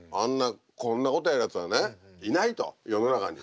こんなことやるやつはねいないと世の中に。